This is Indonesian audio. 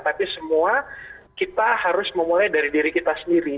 tapi semua kita harus memulai dari diri kita sendiri